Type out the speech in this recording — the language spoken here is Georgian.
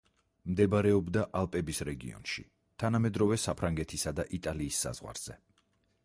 მდებარეობდა ალპების რეგიონში, თანამედროვე საფრანგეთისა და იტალიის საზღვარზე.